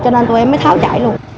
cho nên tụi em mới tháo chạy luôn